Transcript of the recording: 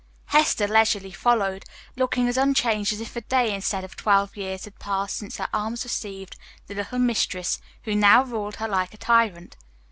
Hester leisurely followed, looking as unchanged as if a day instead of twelve years had passed since her arms received the little mistress, who now ruled her like a tyrant.